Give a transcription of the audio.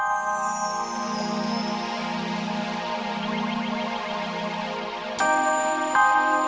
jobber yang bekerja